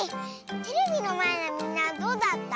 テレビのまえのみんなはどうだった？